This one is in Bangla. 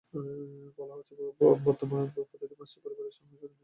বলা হচ্ছে, বর্তমানে প্রতি পাঁচটি পরিবারের একটি শুধু মোবাইল ইন্টারনেট ব্যবহার করে।